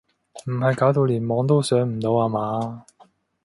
唔係搞到連網都上唔到呀嘛？